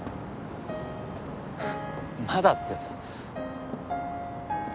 「まだ」って。